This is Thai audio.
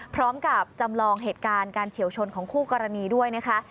พร้อมกับจำลองเหตุการณ์การเฉียวชนของคู่กรณีด้วยนะคะ